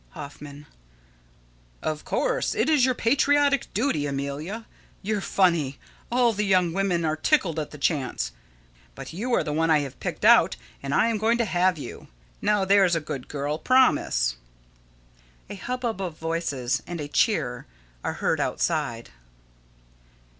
Hoffman: Of course. It is your patriotic duty, Amelia. You're funny. All the young women are tickled at the chance. But you are the one I have picked out, and I am going to have you. Now, there's a good girl promise! [_A hubbub of voices and a cheer are heard outside side.